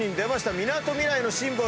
みなとみらいのシンボル